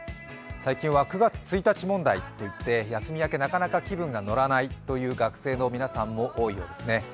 最近は９月１日問題といって休み明けなかなか気分が乗らないという学生の皆さんも多いようですね。